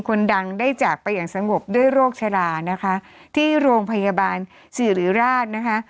คนดังได้จากไปอย่างสงบด้วยโรคชรานะคะที่โรงพยาบาลสิริราชนะคะ